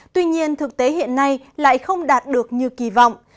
tuy nhiên thực tế hiện nay lại không đạt được như kỳ vọng